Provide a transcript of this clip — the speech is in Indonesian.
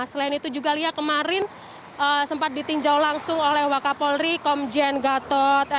selain itu juga lia kemarin sempat ditinjau langsung oleh wakapolri komjen gatot